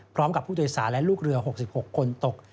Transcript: พร้อมกับผู้โดยสารและลูกเรือ๖๖คนตก